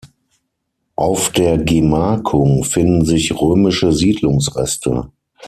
Auf der Gemarkung finden sich römische Siedlungsreste.